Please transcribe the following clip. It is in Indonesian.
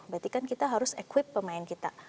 berarti kan kita harus equip pemain kita